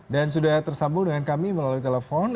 dan sudah tersambung dengan kami melalui telepon